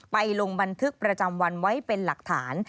ลงบันทึกประจำวันไว้เป็นหลักฐาน